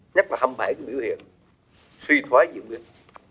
nhất là hâm bản biểu hiện suy thoái diễn biến